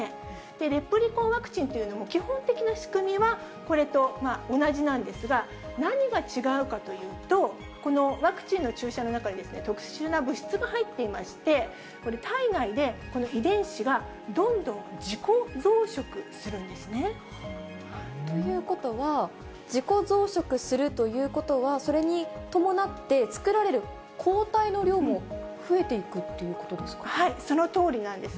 レプリコンワクチンというのも基本的な仕組みはこれとまあ同じなんですが、何が違うかというと、このワクチンの注射の中に特殊な物質が入っていまして、体内で遺伝子がどんどん自己増殖するんですね。ということは、自己増殖するということは、それに伴って、作られる抗体の量そのとおりなんです。